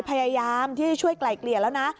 พยายามที่ช่วยไกล่เกลี่ยแล้วนะ